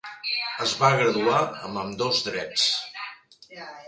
Es va graduar en ambdós drets.